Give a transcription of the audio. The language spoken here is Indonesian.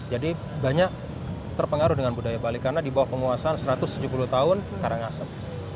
jadi banyak terpengaruh dengan budaya bali karena di bawah penguasaan satu ratus tujuh puluh tahun karangasem